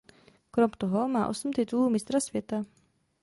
Krom toho má osm titulů mistra světa.